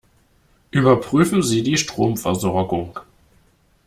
Überprüfen Sie die Stromversorgung.